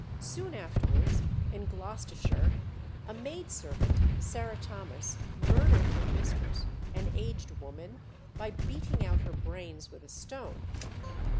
Soon afterwards, in Gloucestershire, a maidservant, Sarah Thomas, murdered her mistress, an aged woman, by beating out her brains with a stone.